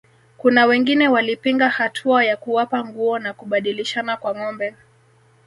Kuna wengine walipinga hatua ya kuwapa nguo na kubadilishana kwa ngombe